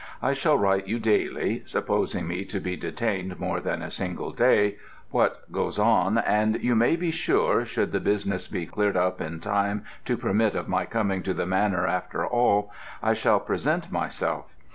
I shall write you daily (supposing me to be detained more than a single day) what goes on, and you may be sure, should the business be cleared up in time to permit of my coming to the Manor after all, I shall present myself.